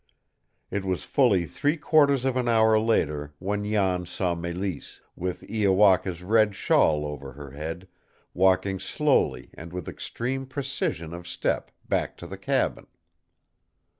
It was fully three quarters of an hour later when Jan saw Mélisse, with Iowaka's red shawl over her head, walking slowly and with extreme precision of step back to the cabin.